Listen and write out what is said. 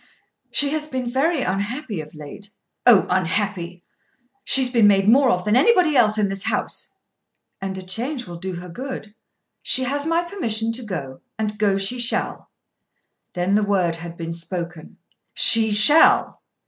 "She has been very unhappy of late." "Oh, unhappy! She's been made more of than anybody else in this house." "And a change will do her good. She has my permission to go; and go she shall!" Then the word had been spoken. "She shall!"